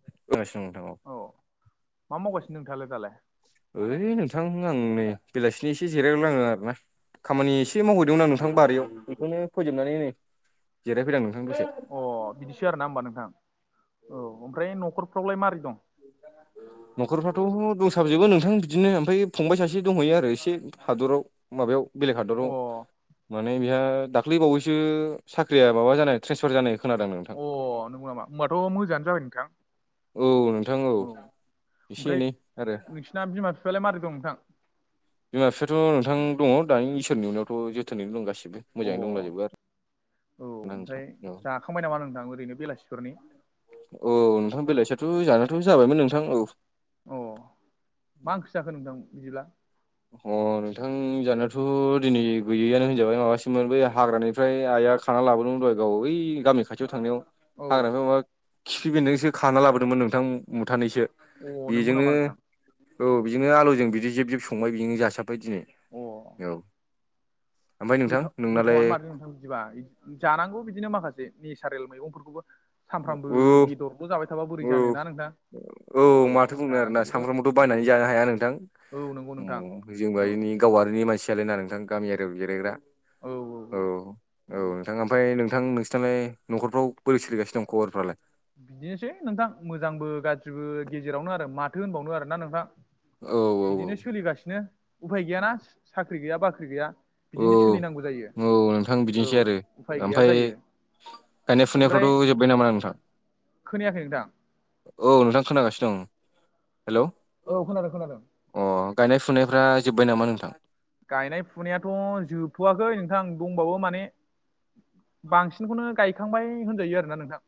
[unintelligible] औ मा मावगासिनो नोंथाङालाय दालाय ओइ नोंथां आं नै बेलासिनि एसे जिरायलाङो आरो ना खामानि एसे मावहैदोंमोन आं नोंथां जिरायैदोंमोन अ बिदिसो आरो ना होमबा नोंथां औ ओमफ्राय न'खरफ्रावलाय मारै दं [inaudible] न'खरफ्राथ' दंसाबजोबो नोंथां बिदिनो ओमफ्राय फंबाय सासे दंहैयो आरो एसे हादराव माबायाव बेलेग हादराव अ माने बिहा दाख दाख्लैबावैसो साख्रिया माबा जानाय ट्रेन्सफार जानाय खोनादों नोंथां अ नंगौ नामा होमबाथ' मोजाङानो जाबाय नोंथां औ नोंथां औ एसे एनै आरो ना बिमा बिफालाय मारै दं नोंथां बिमा बिफाथ' नोंथां दङ दानि इसोरनि उनावथ' जोथोनैनो दं गासिबो अ मोजाङैनो दंलाजोबो आरो औ ओमफ्राय औ जाखांबाय नामा नोंथां ओरैनो बेलासिफोरनि औ नोंथां बेलासिआथ' जानाथ' जाबायमोन नोंथां औ अ मा ओंख्रि जाखो नोंथां बिदि अ नोंथां जानायाथ' दिनै गैयैआनो होनजाबाय माबासिममोन बे हाग्रानि ओमफ्राय आइआ खाना लाबोदोंमोन गाव ओइ गामि खाथियाव थांनायाव औ हाग्राखाय माबा खिफि बेन्दोंसो खाना लाबोदोंमोन नोंथां मुथानैसो अ नंगौ नामा बेजोंनो नोंथां औ बिजोंनो आलुजों बिदि जिब जिब संबाय बिजोंनो जासाबबाय दिनै अ औ ओमफ्राय नोंथां गोथाव नोंनालाय गोथावआनो माथो नोंथां बिदिबा जानांगौ बिदिनो माखासे नेचारेल मैगंफोरखौबो सानफ्रामबो औ बेदरबो जाबाय थाबा बोरै औ जानोना नोंथहा औ माथो बुंनो आरोना सामफ्रामबोथ' औ बायनानै जानो हाया नोंथां औ नंगौ नोंथां अ औ जेनबा बेनि गावारिनि मानसियालायनाा नोंथां गामियारियाव जिरायग्रा औ औ औ नोंथां ओमफ्राय नोंथां नोंसिोरनालाय न'खरफ्राव बोरै सोलिगासिनो दं खबरफ्रालाय बिदिनोसै नोंथां मोजांबो गाज्रिबो गेजेरावनो आरो माथो होनबावनो आरो ना नोंथां औ बिदिनो सोलिगासिनो उफाय गैयाना साख्रि गैया बाख्रि गैया औ बिदिनो सोलिनांगौ जायो औ नोंथां औ बिदिनोसै आरो उफाय गैया ओमफफ्राय जायो गायनाय ओमफ्राय फुनायफ्रावथ' जोब्बाय नामा आं नोंथां खोनायाखै नोंथां औ नोंथां खोनागासिनो दं हेल' औ खोनादों खोनादों अ गायनाय फुनायफ्रा जोब्बाय नामा नोंथां गायनाय फुनायाथ' जोबथ'वाखै नोंथां दंबावो माने बांसिनखौनो गायखांबाय होनजायो आरोना नोंथां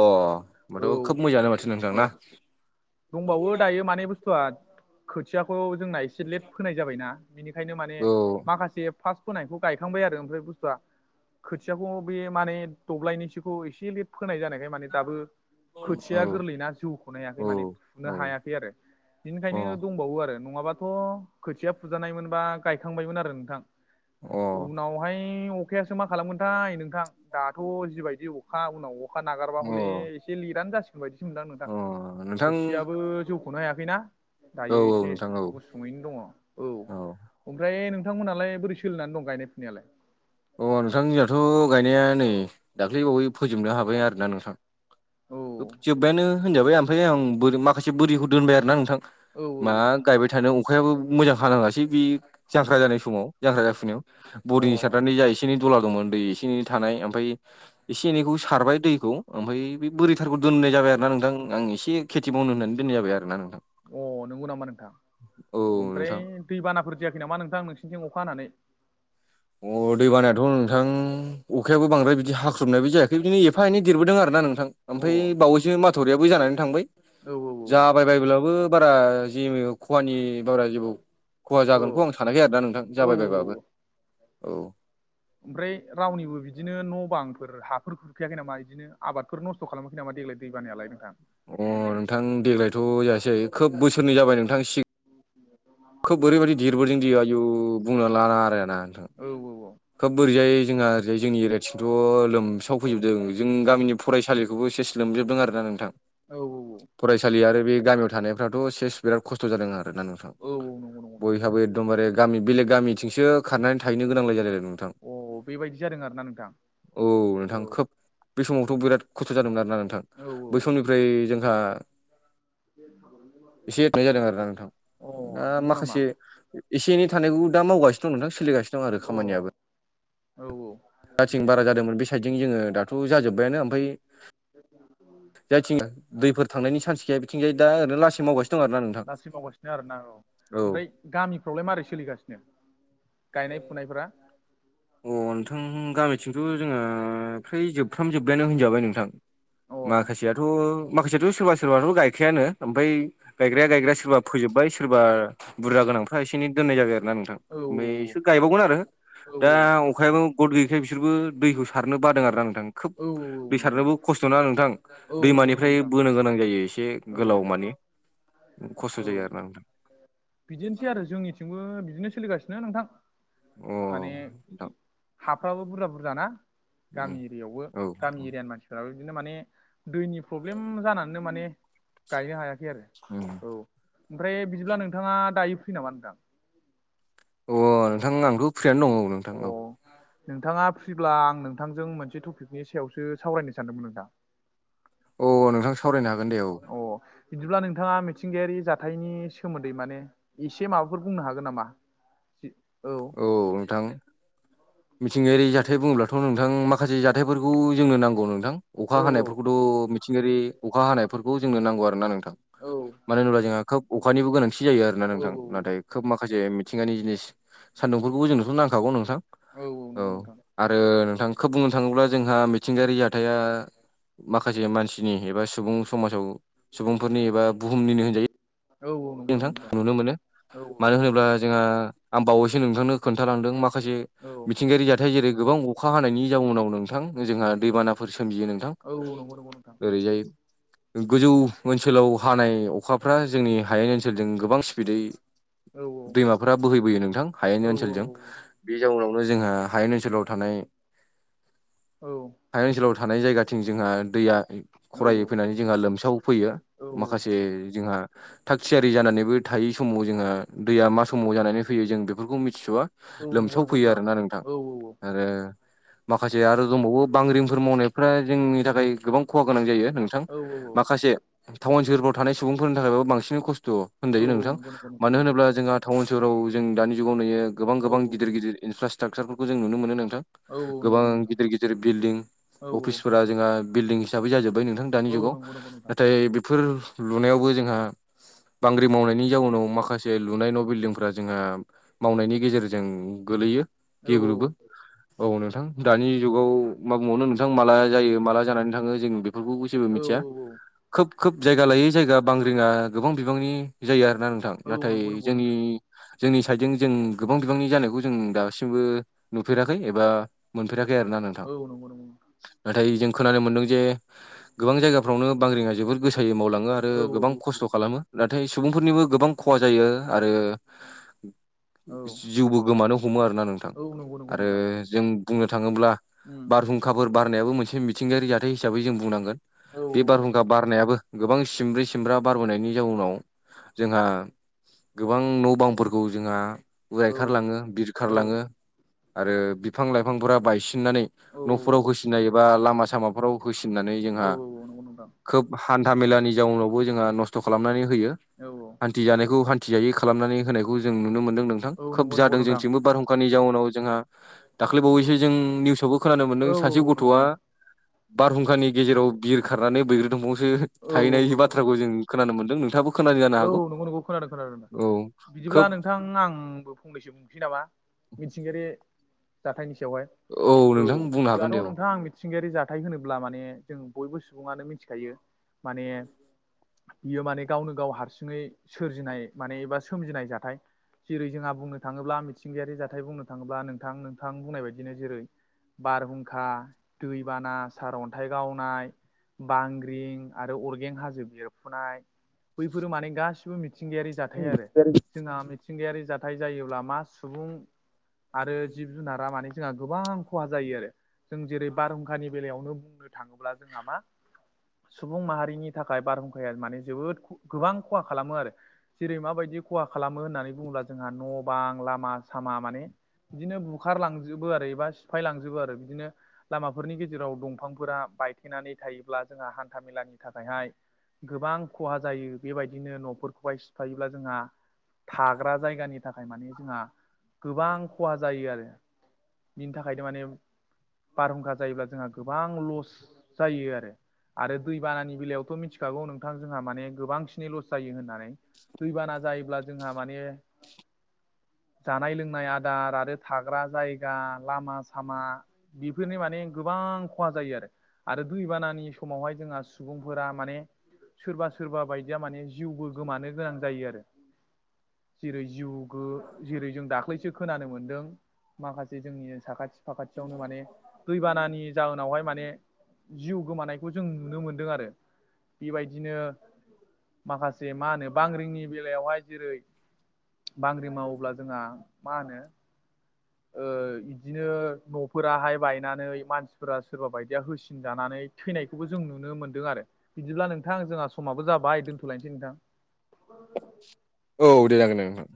अ औ होमबाथ' खोब मोजाङानो माथो नोंथां ना औ दंबावो दायो मान बुस्थुआ खोथियाखौ जोंना एसे लेट फाय जाबायना बेनि ओंखायनो माने औ माखासे फास्स्ट फोनायखौ गायखांबाय आरो ओमफ्राय बुस्थुआ खोथियाखौ बे माने दब्लायनिसोखौ एसे एले फोनाय जानायखाय माने दाबो औ खोथिया गोरलैनाा जौखौ नायाखै माने औ औ नो हायाखै आरो अ बिनिखायनो दंबावो आरो नङाबाथ' खोथिया फुजानायमोन बा गायखांबायमोन आरो नोंथां अ उनावहाय अखायासो मा खालामोनथाय नों नोंथां दाथ' जिबायदि अखा उनावखा अखा नागारबा हले अ एसे लेटआनो जासिगोन बायदिसो मोनदां नोंथां अ नोंथां खोथियाबो जौ सनो हायाखैना औ दायो औ एसे नोंथां औ गुसुङैनो दङ औ ओमफ्राय नोंथांमोनहालाय बोरै सोलिनानै दं गायनाय फुनायालाय अ नोंथां जयाथ' गायनाया नै दाख्लैबावै फोजोबनो हाबाय आरोना नोंथां औ जोब्बायानो होनजाबाय ओमफ्राय आं मासे बोरखौ दोनबाय ना नोंथां औ मा गायबाय थ अखायाबो मोजां हानाङासै बे जांख्रा जानाय समाव जांख्रा जाफैनायाव औ अ बरडिनि सार सारनानै जा एसे एनै दुलागौमोन दै एसे एनै थानाय ओमफ्राय एसे एनैखौ सारबाय दैखौ ओमफ्राय बे बोरैथारखौ दोननाय जाबाय आरो ना नोंथां आं एसे खेथि मावनो होननानै दोननाय जाबाय आर ना नोंथां अ नंगौ नामा नोंथां औ ओमफ्राय नोंथां दैबानाफोर जायाखै नामा नोंथां नोंसिनिथिं अखा हानानै अ दै बानायाथ' नोंथां अखायाबो बांद्राय बिदि हाख्रुबनायबो जायाखै बिदिनो एफा एनै देरबोदों आरोा नोंथां अ औ मफ्राय बावैसो मा बाथरियाबो जानानै थांबाय औ जाबाय बायबोलाबो बारा जेबो खहानि बारा जेबो खहा औ जागोनखौ आं सानाखै आरोोना नोंथां औ जाबायबायबाबो औ ओमफ्राय रावनिबो बिदिनो न' बांफोर हाफोर खुरखैयाखै नामा बिदिनो आबादफोर न' स खालामाखै नामाेग्लाय दै बानायाल नोंथां अ नोंथां देग्लायथ' जायासै खोब बोसोरनै जाबाय नोंथां सिगां खोब ओरैबायदि देरबोदों दियो आयु बुंना लाना आरो आ ना नोंथां औ खोब बोरैजाय जोंहा ओरैजाय जोंनि एरियाथिंथ' लोमसाव फैजोबदों जों गामिनि फरायसालिखौबो एसे स लोमजोबदों आर ना नोंथां औ औ औ फरायसालि आरो बे गामियाव थानायफ्राथ' सेस बिराद खस्थ' जादों आरो ना औ नोंसाव नंगौ नंगौ बयहाबो एकदमबारे गामि बेलेग गामिथिंसो खारनानै थाहैनो गोनांलाय जालाय नोंथां अ बेबायदि जादों आरो ना नोंथां औ नोंथां औ खुब बे समावथ' बिराद खस्थ' जादोंमोन आरोना औ नोंथां बै समनिफ्राय जोंहा एसे एथनाय जादों आरोोना नोंथां औ अ दा नंगौ नामा माखासे एसे एनै थानायखौ दा मावगासिनो दं नोंथां सोलिगासिनो दं अ आरो खामानियाबो औ औ साइदथिंजों जोङो दाथ' जाजोब्बायानो ओमफ्राय जायथिं दैफोर थांनायनि चान्स गैया बिथिं जाय दा ओरैनो लासं मावगासिनो दं आरो ना नोंथां। आरो ना औ औ ओमफ्राय गामिफ्रावलाय मारै सोलिगासिनो गायनाय फुनायफ्रा? अ नोंथां गामिथिंथ' जोङो फ्रै जोबफ्राम जोबबायानो होनजाबाय नोंथां। अ माखासेयाथ' माखासेयाथ' सोरबा सोरबथ' गायखायानो ओमफाय गायग्राया गायग्राया सोरबा फोजोब्बाय सोरबा बुरजा गोनांफ्रा एसे एनै दोननाय जाबाय आरो ना नोंथां औ बै गायबावगोन आरो औ दा अखायाबो गथ गैयैखाय बिसोरबो दैखौ सारनो बादों आरोा नोंथां खोब औ दै नंगौ सारनोबो नंगौ खस्थ' ना नोंथां औ नंगौ नंगौ दैमानिफ्राय नोंथां बोनो गोनां जायो एसे औ गोलाव माने खस्थ' जायो औ आरो नाोंथां। बिदिनोसै आरो जोंनिथिंबो बिदिनो सोलिगासिनो नोंथां। अ माने नोंथां हाफ्राबो बुरजा बुरजा बुरजा ना गामि एरियावबो औ गामि एरियानि मानसिफोराबो बिदिनो माने दैनि प्रब्लेम जानानैनो माने गायनो हायाखै आरो औ ओमफ्राय बिदिब्ला नोंथाङा दायो फ्रि नामा नोंथां? अ नोंथां आंथ' फ्रियानो दङ औ नोंथां अ औ नोंथाङा फ्रिब्ला आं नोंथांजों मोनसे टपिकनि सायावसो सावरायनो सानदोंमोन नोंथां। अ नोंथां सावरायनो हागोन दे औ। अ बिदिब्ला नोंथाङा मिथिंगायारि जाथायनि सोमोन्दै माने एसे माबाफोर बुंनो हागोन नामा? औ नोंथां मिथिंगायारि जाथाय बुङोब्लाथ' नोंथां माखासे जाथायफोरखौ जोंनो नांगौ नोंथां औ अखा हानायफोरखौथ' मिथिंगायारि अखा हानायफोरखौ जोंनो नांगौ आरोना नोंथां। औ मानो होनोब्ला जोंहा खोब अखानिबो गोनांथि जायो आरोना औ नोंथां नाथाय खोब माखासे मिथिगानि जिनिस सान्दुंफोरखौबो जोंनोथ' नांखागौ नोंथां औ आरो नोंथां खोब बुंनो थाङोब्ला जोंहा मिथिंगायारि जाथाया माखासे मानसिनि एबा सुबुं समाजाव सुबुंफोरनि एबा बुहुमनिनो होनजायो औ औ नंगौ नोंथां नंगौ नुनो मोनो औ मानो होनोब्ला जोंहा आं बावैसो नोंथांनो खोन्थालांदों माखासे औ मिथिंगायारि जाथाय जेरै गोबां अखा हानायनि जाउनाव नोंथां जोंहा दैबानाफोर सोमजियो नोंथां। औ नंगौ नंगौ नोंथां ओरैजाय गोजौ ओनसोलाव हानाय अखाफ्रा जोंनि हायेन ओनसोलजों गोबां स्पिदै औ दैमाफोरा बोहैबोयो नोंथां औ हायनि ओनसोलजों बे जाउनावनो जोंहा हायेन ओनसोलाव थानाय औ औ हाय ओनसोलाव थानाय जायगाथिं जोंहा दैया खरायै नंगौ फैनानै जोंहा लोमसाव फैयो माखासे जोंहा थाग थियारि जानानैबो थायै समाव जोंहा दैया मा समाव जानानै फैयो जों बेफोरखौ मिथिसवा लोमसाव नंगौ फैयो आरोना नोंथां। औ औ औ आरो माखासे आरो दंबावो बांग्रिंफोर मावनायफ्रा जोंनि थाखाय गोबां खहा गोनां जायो नोंथां औ माखासे टाउन सोहोरफ्राव थानाय सुबुंफोरनि थाखायबाबो बांसिन खस्थ' होनजायो औ नोंथां नंगौ नंगौ नोंथां मानो नंगौ होनोब्ला जोंहा टाउन सोहराव जों दानि जुगाव नुयो गोबां औ गोबां गिदिर गिदिर इनफ्रास्ट्राकसारफोरखौ जों नुनो मोनो नोंथां औ नंगौ गोबां नंगौ नोंथां गिदिर गिदिर बिल्डिं औ अफिसफोरा जोंहा बिल्डिं हिसाबै जाजोब्बाय नोंथां औ दानि नंगौ जुगाव नंगौ नोंथां नाथाय बेफोर लुनायावबो जोंहा बांग्रि मावनायनि जाउनाव माखासे लुनाय न' बिल्डिंफ्रा जोंहा मावनायनि गेजेरजों गोलैयो औ गेग्रुबो औ नोंथां दानि जुगाव मा बुंबावनो नोंथां माला जायो माला जानानै थाङो जों बे बेफोरखौ जेबो औ मिथिया खोब खोब जायगा लायै जायगा बांग्रिङा गोबां बिबांनि जायो आरो ना नोंथां औ नाथाय नंगौ नंगौ जोंनि नोंथां जोंनि साइदजों जों गोबां बिबांनि जानायखौ जों दासिमबो नुफेराखै एबा मोनफेराखै आरोना नोंथां। औ नंगौ नंगौ नाथाय जों खोनानो मोनदों जे गोबां जायगाफ्रावनो बांग्रिङा जोबोर गोसायै मावलाङो आरो औ गोबां खस्थ' खालामो नाथाय सुबुंफोरनिबो गोबां खहा जायो आरो औ जिउबो गोमानो हमो आरोना नोंथां। औ नंगौ नंगौ आरो नोंथां जों बुंनो थाङोब्ला उम औ बारहुंखाफोर बारनायाबो मोनसे मिथिंगायारि जाथाय हिसाबै जों बुंनांगोन औ बे बारहुं खा बारनायाबो गोबां सिमब्रै सिमब्रा बारबोनायनि जाउनाव जोंहा गोबां न' बांफोरखौ जोंहा औ उजायखारलाङो बिरखारलाङो आरो बिफां लाइफांफोरा बायसिननानै औ न'फोराव होसिननाय एबा लामा सामाफोराव होसिननानै औ जोंहा औ नंगौ नोंथां खोब हान्था मेलानि जाउनावबो जोंहा नस् थ खालामनानै होयो औ हान्थिजानायखौ हान्थिजायै खालामनानै होनायखौ जों नुनो मोन्दों नों थां औ नंगौ खोब नंगौ जादों नोंथां जोंथिंबो बारहुंखानि जाउनाव जोंहा दाख्लैबावैसो जों निउसावबो खोनानो औ मोनदों नंगौ नोंथां औ सासे ग नंगौ थ'आ नंगौ औ बारहुंखानि गेजेराव बिर खारनानै बैग्रि दंफांसो थाहैनाय बा थ्राखौ जों खोनानो मोनदों नोंथाङाबो खोनादों जानो औ हागौ नंगौ नोंगौ खोनादों खोनादों औ बिदिब्ला खोब नोंथां आंबो फंनैसो बुंसै नामा मिथिंगायारि जाथायनि सायावहाय औ नोंथां बुंनो हागोन जाथ' दे औ नोंथाङा आं मि थिंगायारि जाथाय होनोब्ला माने जों बयबो सुबुङानो मिथिखायो माने बियो माने गावनो गाव हारसिङै सोरजिनाय माने एबा सोमजिनाय जाथाय। जेरै जोंहा बुंनो थाङोब्ला मिथिंगायारि जाथाय बुंनो थाङोब्ला नोंथां नोंथां बुंनाय बायदिनो जेरै बारहुंखा, दैबाना, सार अन्थाइ गावनाय बांग्रिं आरो अरगें हाजो बिरफुनाय बेफोरो माने गासिबो मिथिंगायारि जाथाय आरो। जोंहा मिथिंगायारि जाथाय जायोब्ला मा सुबुं आरो जिब जुनार ज गोबां खहा जायो आरो। जों जेरै बारहुंखानि बेलायावनो थाङोब्ला जोंहा मा सुबुं माहारिनि थाखाय बारहुंखाया माने जोबोद गोबां खहा खालामो आरो। जेरै माबायदि खहा खालामो होननानै बुङोब्ला जोंहा न' बां, लामा सामा माने बिदिनो बुखारलांजोबो आरो एबा सिफाय लांजोबो आरो बिदिनो लामाफोरनि गेजेराव दंफांफोरा बायथेनानै थायोब्ला जोंहा हान्था मेलानि थाखायहाय गोबां खहा जायो बेबायदिनो न'फोरखौहाय सिफायोब्ला जोंहा। थाग्रा जायगानि थाखाय माने जोंहा गोबां खहा जायो आरो। बिनि थाखायनो माने बारहुंखा जायोब्ला जोंहा गोबां लस जायो आरो आरो दैबानानि बेलायावथ' मिथिखागौ नोंथां जोंहा माने गोबांसिन नि लस जायो होननानै दैबाना जायोब्ला जोंहा माने जानाय लोंनाय दार आरो थाग्रा जायगा लामा सामा बेफोरनि माने गोबां खहा जायो आरो दैबानानि समावहाय जोंहा सु बुंफोरा माने सोरबा सोरबा बायदिया माने जिउबो गोमानो गोनां जायो आरो। जेरै जिउ गो- जेरै जों दाख्लैसो खोनानो मोनदों माखासे जोंनि साखा साखाथियावनो माने दैबानानि जाहोनावहाय माने जिउ गोमानायखौ जों नुनो मोनदों आरो। बेबायदिनो माखासे मा होनो बांग्रिंनि बेलायावहाय जेरै बांग्रि मावोब्ला जोंहा मा होनो ओ बिदिनो न'फोराहाय बायनानै मानसिफोरा सोरबा बायदिया होसिनजानानै थैनायखौबो जों नुनो मोनदों आरो बिदिब्ला नोंथां जोंहा समाबो जाबाय दोनथ'लायनोसै नोंथां। औ दे जांगोन दे नोंथां